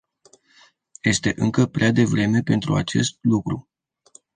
Este încă prea devreme pentru acest lucru.